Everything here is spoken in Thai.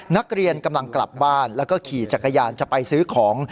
นักเรียนกำลังกลับบ้านแล้วก็ขี่จักรยานจะไปซื้อของ